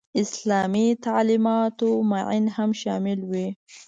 اسلامي تعلیماتو معین هم شامل وي.